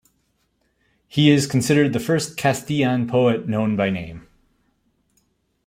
He is considered the first Castilian poet known by name.